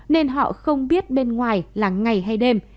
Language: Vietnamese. nên họ không biết bên ngoài là ngày hay đêm